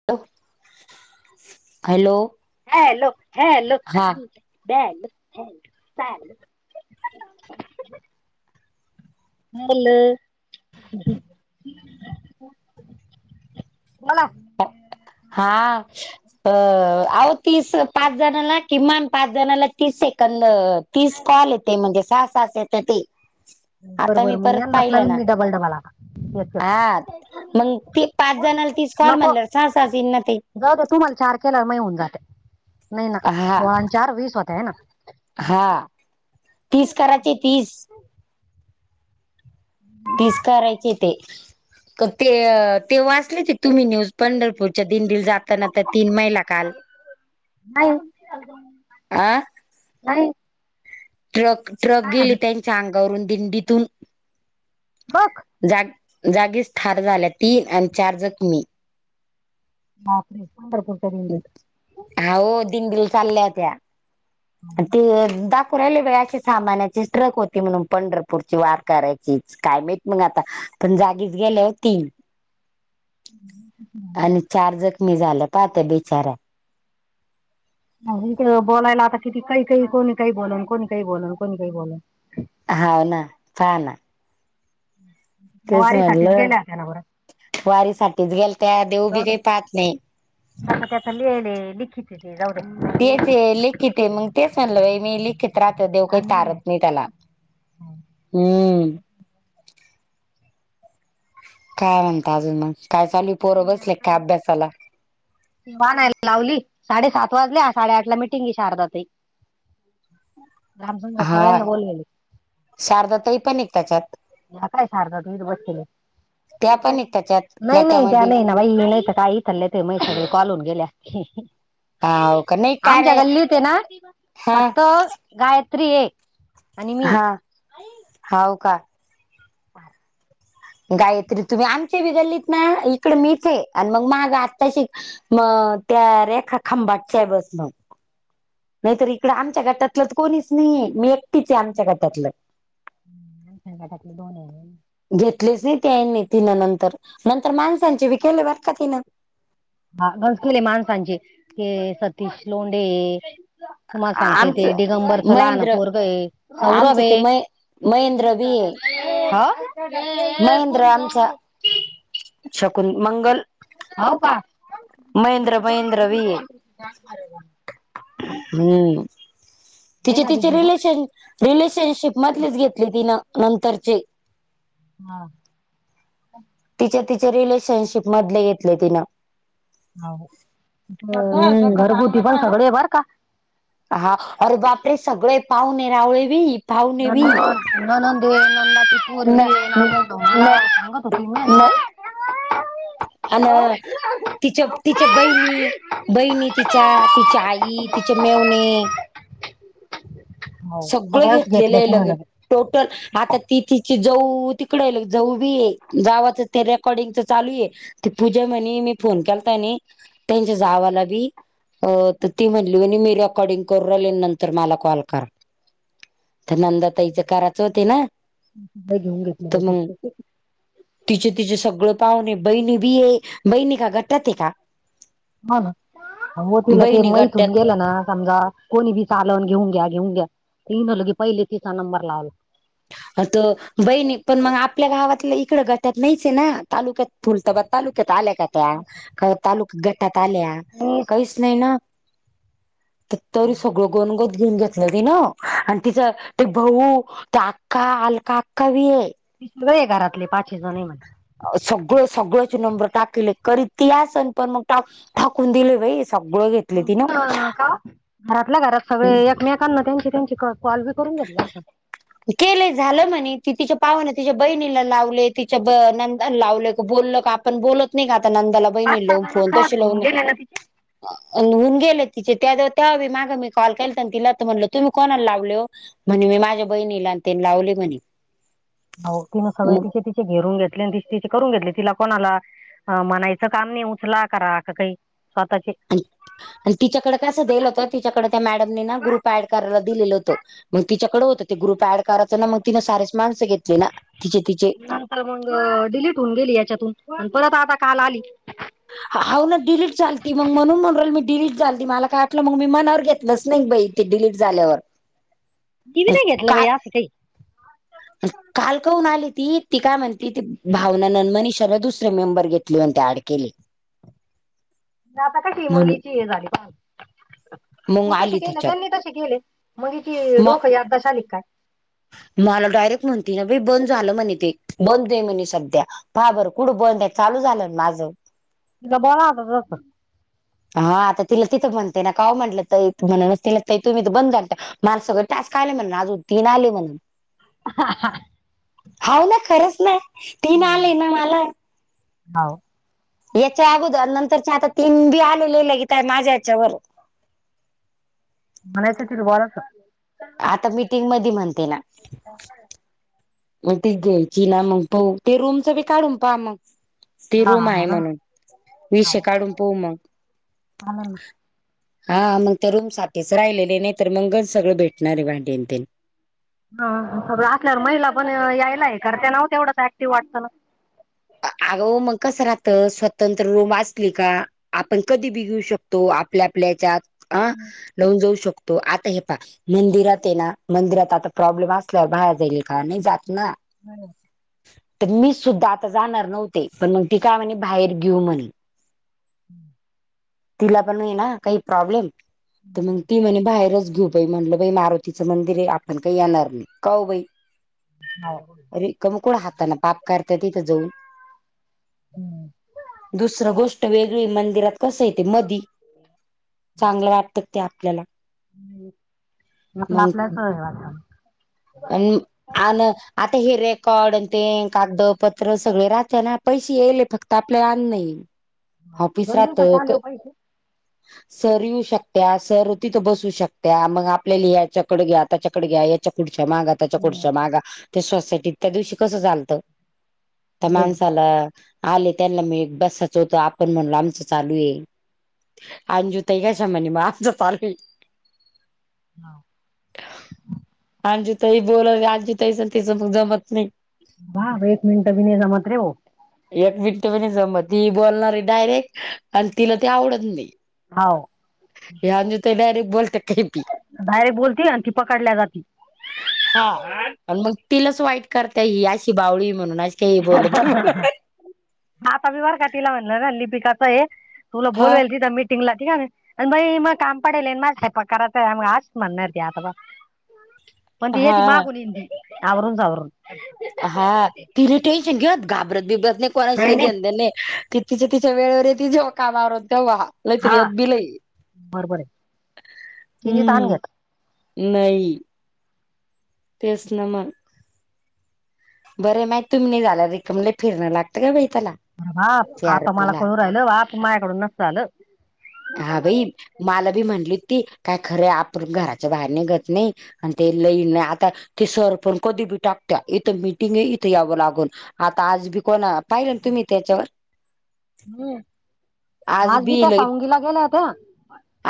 [unintelligible] Hello hello, hello. हा [unintelligible] [unintelligible] [unintelligible] बोला. हा अ आवं, तीस पाच जणाला, किमान पाच जणाला, तीस सेकंद तीस कॉल येते. म्हणजे सहा सास येत, ते. बर आता मी बर मग परत यांनाच पाहिलं लावीन ना. मी डबल डबल आता एक एक हा. मग, ती पाच जणाला तीस कॉल मनल्यावर, सहा सहास येईन ना ताई. जाऊद्या तुम्हाला चार केल्यावर मग होऊन जाते. नाही ना. हा सोळा आन चार वीस होत, है ना हा. तीस करायचे तीस. तीस करायचे ते. ते, ते वाचले ते तुम्ही न्यूज. पंढरपूरच्या दिंडीला जात त्यानत तीन महीला काल. नाही आ नाही. ट्रक, ट्रक काय गेली झालं त्यांच्या अंगावरून, दिंडीतून. बघ जाग, जागीच ठार झाल्या, तीन. आणि चार जखमी. बापरे! [unintelligible] अहो, दिंडीला चालल्या हो. ते दा [unintelligible] अशी सामानची ट्रक होती म्हणून पंढरपूरची वार करायचीच. काय ब मग आता. पण जागीच गेल्या, तीन. आणि चार जखमी झाल्या. पाहा त्या बिचाऱ्या. तिथं. बोलायला आता किती काही -काही कोणी काही बोलन, कोणी काही बोलन, कोणी काही बोलन. हा ना. पाहा ना. [inaudible] तेच म्हटलं. गेल्या होत्या ना बरं वारीसाठीच गेलत्या. देऊ बी काही पाहत नाही. आ त्या लिहिले. लिखित ते जाऊद्या. तेचय. लिखितय, मग तेच म्हणलं बाई मी, लिखित राहतं देव काही आणि काय तारत नाही त्याला. हम्म. काय, म्हणता अजून मग. काय चालू काही पोरं बसले नाही. का [unintelligible] ना अभ्यासाला? बानायला लावली. साडे सात वाजल्या. साडेआठ ला मिटिंगय शारदाताई. [inaudible] [unintelligible] सगळ्यांना बोललेले. शारदाताई, पणयत त्याच्यात. ह्या काय, शारदाताई इथं बसलेल. त्या पण इथेच नाही, नाही. त्या नाही ना बाई, नाही तर का इतरले ते मै कॉलून गेल्या. [unintelligible] हाव का नाही का आमच्या रे गल्लीतय ना, हा फक्त गायत्रीय. हा. हाव का. [unintelligible] गायत्री तुम्ही. आमचे बि गल्लीत ना, इकड मीचय. आणि मग मागं आत्ताशी म त्या रेखा खांबाटच्या, बस मग. नाहीतर इकडं, आमच्या गटातलं तर कोणीच नाही. मी एकटीचय, आमच्या गटातलं. गटातले दोनय. घेतलेच नाही, तेनी तिनं नंतर. नंतर माणसांचे बी केले बर का तिनं. हा घसकले माणसांचे ते सतीश लोंडे तु म्हा सांगते ते आमचं दिगंबर च लहान महेंद्र पोरग सौरभ आमचं ते आहे महे र महेंद्र बी आहे रे पुर शकुून मंगल हो का महेंद्र महेंद्र विये हम् दे तिचे ना तिचे दीदी ग. रिलेशन रिलेशनशिप मधलीच घेतली तिनं नंतरची हा तिच्या तिच्या रिलेशन् शिप मधले घेतले तिनं हाव. हम्म ते पण सगळे बर का हा अर बा आपले सगळे पाहून ये रावळे व न न ननाचीरगी न ये नामतो मला न सांगत होती मी अ तिच तिच्या बहिणी बहिणी तिच्या तिच्या आई तिचे मेवणे हो सगळं सगळ्याच घेतलेलं घेतल्या आहे तिनं लगे टोटल आता तीथिची जाऊ तिकडे जाऊ बी ये जावच ते रेकॉर्डिंगच चालू आहे त पूजा म्हणे मी फोन केला त्यानी त्यांच्या जावाला बी अ तर ती म्हणली म्ह मी र अकॉर्डिंग करून राले नंतर मला कॉल करा तर नंदा तईच्या कराच होते ना लय घेऊन घेतले तर मग दिसते तिचे तिचे सगळं पाहुणे आहे बहिणी बी आहे बहिणी का घटात आहे का हो ना हो तिला ते बहिणी गट्ट्यात मैथून गेलं ना समजा कोणी बी चालून घेऊन घ्या घेऊन घ्यानल की पहिले तिसरा नंबर लावला अ त बहिणी पण मग आपल्या गावातलं इकडं गटात नाहीच आहे ना तालुक्यात तुलतबाद तालुक्या आल्या का तालुका्या गटात आल्या मी काहीच नाही ना तरी सगळं गनगत घेऊन घेतलं ती ना आणि तिचं ते भाऊ त्या अक्का अलका अक्का ब आहे ते सगळे आहे घरातले पाचे जण आहे म्ह सगळं सगळंच नंबर टाकले करीत या सण पण मगा टाकून दिले बाई सगळं घेतले माती तिन ना का घरातल्या घरात सगळे एकमेकांना त्यांची त्यांची क कॉल बी करून दिली अस केलंय झालं म्हणे त तिच्या पावाने तिच्या बहिणीला लावले तिच्या ब नंदा लावलं बोलल का आपण बोलत नाही का आता नंदाला पाच बहिणी सहा लावून जण फोन सहज तशी होऊन लावून गेले ना तिचे होऊन गेले तिचे त्या त्यावेळी माग मी कॉल केल तिला तर म्हटलं तुम्ही कोणाला लावल म्हणे मी माझ्या बहिणीलातेनी लावली म्हणे हो तिनं सगळे मग तिचे तिचे घेरून घेतले आणि ति तिचे करून घेतले तिला कोणा आला म्हनायचं काम नाही उचला करा का काही स्वतःचे आणि तिच्याकडे कसं दलं होत तिच्याकडे त्या मॅडमनी ना ग्रुप ऍड करायला दिलेलं होतं मग तिच्याकडे होतं ते ग्रुप ऍड करायचं ना मग तिनें सारेच माणस घेतले ना तिचे तिचे नंतर मग डिलीट होऊन गेली याच्यातून परत आता काल आली हा ना डिलीट चालती मग म्हणून म्हणल मी डिलीट चालती मला काय आटलं मग मी मनावर घेतलंच नाही बाई ते डिलीट झाल्यावर दिवी नाही घेतलं बा या स काही कालकवून आली ती ती काय म्हणती ती भावना ननमनी शला दुस मेंबर घेतली म्हते अडकेली आता काय म्हणून शिमंगीची हे झाली का मग तू कसे आली केलं त्याच्यात. त्यांनी तसे केले मग तची म डोक ह आता शालिक काय मला डायरेक्ट म्हणती ना बंद झालं म्हणे ते बंद आहे म्हणे सध्या ह बरं कुठं बंद आहे, चालू झालं ना माझं. तिला बोला होता तस हा आता तिला तिथं म्हणते ना काऊ म्हटलं तर म्हण तिला तुम्ही तर बंद जाता. मला सगळं टस्क आले म्हणून अजून तीन आले म्हणून हाव ना खरंच ना तीन आले ना मला. हौ याच्या अगोदर नंतरच्या आता तिनबी आलेले लकीताय माझ्या यायाच्यावर म्हणायचं त बाराच आता मीटिंग मध्ये म्हणते ना मग ती घ्यायची ना मग पाहु, रूमचं बी काढून पहा मग ती हा रूम हा आहे म्हणा म्हणून विषय काढून पाहू मग ह ना [unintelligible] हा मग ते रूम साठीच राहिलेले, नाही तर मगच सगळं भेटणार आहे भांडीन तेन हा खरं असल्यावर महिला पण यायलाय कारण त्या नव्हत्या तेवढंच ऍक्टिव्ह वाटत ना अगं मग कसं राहत स्वतंत्र रूम असली का आपण कधी बि घेऊ शकतो आपल्या आपल्या हेच्यात अ लावून जाऊ शकतो आता हे पाहा. मंदिरात ये ना मंदिरात आता प्रॉब्लेम असल्यावर बाहेर जाईल का? नाही जात ना. हम्म तर मी सुद्धा आता जाणार नव्हते, पण मग ती काय म्हणे बाहेर घेऊ म्हणे. हम्म तिला पण ना काही प्रॉब्लेम तर मग ती म्हणे बाहेरच घेऊ. त म्हणलं बाई मारुतीचं मंदिर आहे, आपण काही येणार नाही काउ बाई. ह रिकम कोळ हातान पाप करत्या तिथं जाऊन. हम्म दुसरं गोष्ट वेगळी मंदिरात कसंय ते मधी चांगलं वाटतं ते आपल्याला मग आपल्यास [unintelligible] आणि आन आता हे रेकॉर्ड ते कागदपत्र सगळे राहते ना पैसे याले फक्त ती आपल्या आण नाही ऑफिस दोन राहत दिवसाचे आले हो पैसे सर येऊ शकत्या, सर होती तर बसू शकत्या, मग आपल्याली याच्या कड घ्या, त्याच्याकड घ्या याच् घ्या पुढच्या मागा, त्याच्या पुढच्या मागा, त्या सोसायटीत त्या दिवशी कसं झालतं? त्या माणसाला आले त्यांना मी बसाच होत आपण म्हणलो आमचं चालू आहे. आंजुताई कश्या म्हणे मग आमचा चालू आहे. हा आंजी ताई बोलल आंजी ताई चं आणि तिचं मग जमत नाही. ह एक मिनट बी नाहीय जमत रे व एक मिनट प जम ती बोलणार आहे डायरेक्ट आणि तिला ते आवडत नाही. हाव हे आंजी तर डायरेक्ट बोलत काही पी डयरेक्ट बोलती आणि ती पकडल्या जाती. हा आणि मग तिलाच वाईट करता ही अशी बावळी म्हणूनशी हा आता मी वारका तला म्हणल ना लिपिकाचं आहे. तुला हा. बोलवेल तिथ मि टिंगला ठीक आहे ना मग मग काम पडेल माझ स्वयंपाक कराचा मग आज म्हणालती आता ब [unintelligible] पण ती येते मागून येतीआवरून -सवरून हा तिने टेन्शन घेत घाबरत -बिबरत नाही, कोणाशी काय घेणं -देण नाही. कि तिच् - तिच्या वेळेवर ति जेव्हा कामावर होत तेव्हा लैतरीि हा आत बिलय, बरोबर आहे तिने ताण हम्म घेत नाही तेच नामा बरे माय तुम्ही झाल्या रिकमले फिरणं लागतं का बाई त्याला अरे बाप सी आर आता मला पीला कळू राहिलं बाप माया्याकडून नस आलं हा भाई मला बी म्हंली ती काय खरं आपण घराच्या बाहेर नि घत नाही आणि ते लईन नाही आता ते सर पण कधी बी टाकत इथं मिीटिंग आहे इथे यावं लागून आता आज बी कोणा पाहिलं तुम्ही त्याच्यावर हम्म आज बी त्या सावंगीला गेल्या होत्या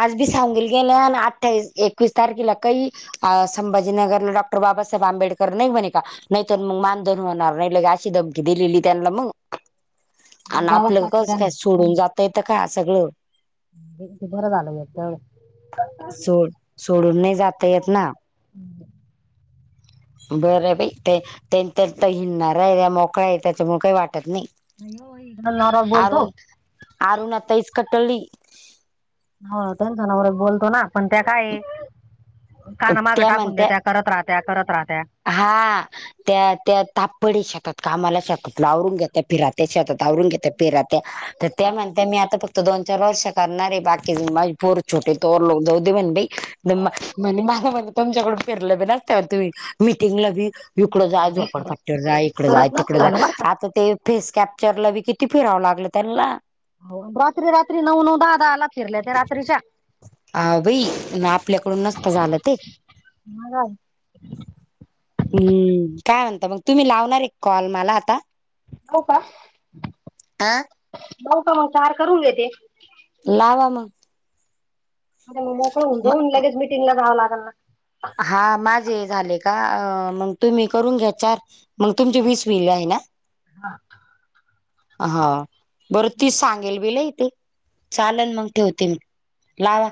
आज बी सांगल गेले आणि अठ्ठावीस एकवीस तारखेला काही अ संभाजीनगरला डॉक्टर बाबासाहेब आंबेडकर नाही बने का नाहीतर मग मानधन होणार नाही लगाशी धमकी दिलेली त्यांना मग मग आणि जावंच आपलं लागतं कस काय त्यांना सोडून जातयेत काय सगळ बर झा आल भट सोड सोडून नाही जाता येत ना हम् बरं बा ते त्यां हिडणार आहे त्या मोकळा आहे त्याच्यामुळे काही वाटत नाही ह नराज बोलतो आर ना तईस कटली हो टन्सन बोलतो ना पण त्या काय काना मागं त्या टाकून द्या म्हणत्या त्या करत राहत्या करत राहत्या हा त्या त्या तापडी शकात कामाला शकात लावरून घेत त्या फिरत त्याच्या आता तावरून घेत पेरा त्या तर त्या म्हणत मी आताक्त तर दोन चार वर्ष करणारे बाकी माज पूर छटे तोोक जाऊ दे बण म्हणे माझ म्ह तुमच्याकड फिरलं बी नसतवर तुम्ही मिीटिंगला बी इकडं जाय नाही रे खरंच झोपडपट्टीवर जाय इकडं खरंच जाय नसत तिकडें झालं जाय बर का आता ते फेस कॅप्चरला बी किती फिरावं लागलं त्यांना हो रात्री रात्री नऊ नऊ दहा दहा आला फिरल्या ते रात्रीच्या आवेही ना आपल्याकडून नसत झालं ते ह काल हम्म काय म्हणत मग तुम्ही लावणार एक कॉल मला आता बाऊ का आ बाऊ का मग चार करून घेते लाव म अरे मग मोकळून जाऊन लगेच मीटिंग ला जावं लागेल ना हा माझे झाले का मग तुम्ही करून घ्या चार मग तुमची वीस वल आहे ना हा बरं ती सांगेल बिल इ तेे चालन मग ठेवते मी लावा